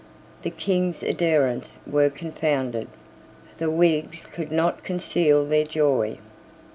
The King's adherents were confounded. The Whigs could not conceal their joy.